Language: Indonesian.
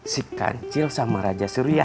si kancil sama raja surya